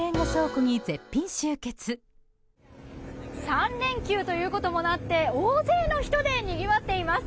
３連休ということもあって大勢の人でにぎわっています。